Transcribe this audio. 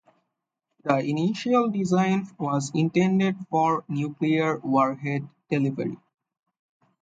The initial design was intended for nuclear warhead delivery.